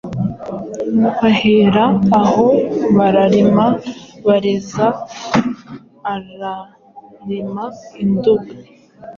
Bahera aho bararima bareza Ararima i Nduga,